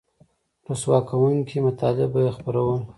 رسوا کوونکي مطالب به یې خپرول